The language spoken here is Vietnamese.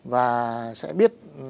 và sẽ biết